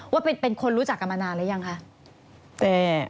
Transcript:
ว่าเป็นคนรู้จักกันมานานหรือยังคะ